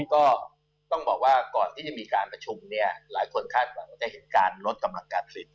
ก็ต้องบอกว่าก่อนที่จะมีการประชุมเนี่ยหลายคนคาดหวังว่าจะเห็นการลดกำลังการผลิต